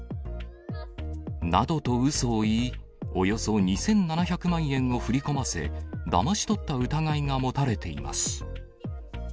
などとうそを言い、およそ２７００万円を振り込ませ、だまし取った疑いが持たれています。